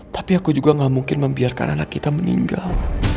tapi aku juga gak mungkin membiarkan anak kita meninggal